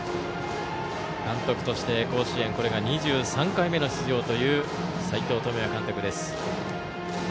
監督として甲子園２３回目の出場という斎藤智也監督です。